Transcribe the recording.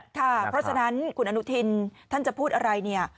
เพราะฉะนั้นคุณอนุทินท่านจะพูดอะไรเนี่ย